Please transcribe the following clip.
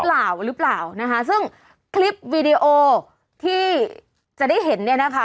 หรือเปล่าหรือเปล่านะคะซึ่งคลิปวีดีโอที่จะได้เห็นเนี่ยนะคะ